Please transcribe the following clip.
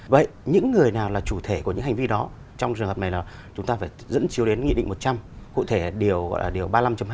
vậy những người nào là chủ thể của những hành vi đó trong trường hợp này là chúng ta phải dẫn chiếu đến nghị định một trăm linh cụ thể điều gọi là điều ba mươi năm hai mươi